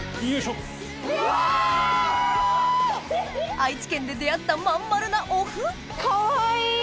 愛知県で出合ったまん丸なお麩・かわいい！